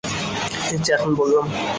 এইযে, এখন বললাম।